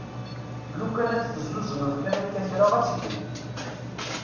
Lukan ad tt-tezzuzneḍ kan akka kra ad tgen.